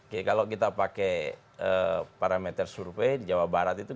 oke kalau kita pakai parameter survei di jawa barat itu